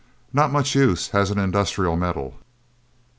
Not much use as an industrial metal.